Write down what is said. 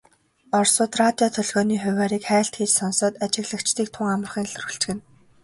Оросууд радио долгионы хуваарийг хайлт хийж сонсоод ажиглагчдыг тун амархан илрүүлчихнэ.